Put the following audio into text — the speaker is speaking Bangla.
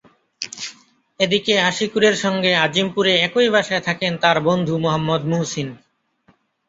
এদিকে আশিকুরের সঙ্গে আজিমপুরে একই বাসায় থাকেন তাঁর বন্ধু মো. মুহসীন।